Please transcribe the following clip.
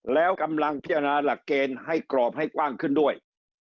แล้วกำลังพิจารณาหลักเกณฑ์ให้กรอบให้กว้างขึ้นด้วย